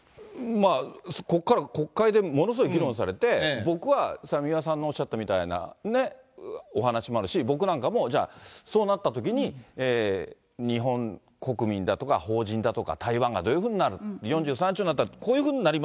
ここから国会でものすごい議論されて、僕は三輪さんのおっしゃったみたいなお話もあるし、僕なんかも、じゃあ、そうなったときに日本国民だとかほうじんだとか、台湾がどういうふうになる、４３兆になったら、こういうふうにります